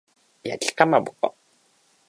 焼きかまぼこ